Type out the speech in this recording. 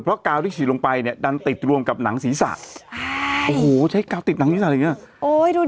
เพราะกาวที่ฉีดลงไปเนี่ยดันติดรวมกับหนังศีรษะโอ้โหใช้กาวติดหนังศีรษะอย่างเงี้ย